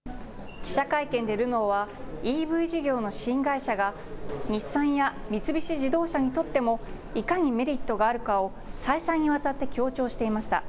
記者会見でルノーは、ＥＶ事業の新会社が、日産や三菱自動車にとってもいかにメリットがあるかを再三にわたって強調していました。